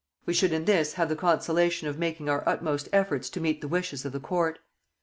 We should in this have the consolation of making our utmost efforts to meet the wishes of the court.